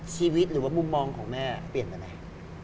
ชีวิตหรือว่ามุมมองของแม่เปลี่ยนไปไหม